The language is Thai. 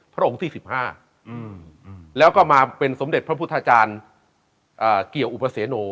พระองค์ที่๑๕แล้วก็มาเป็นสมเด็จพระพุทธอาจารย์เกี่ยวอุปเสโน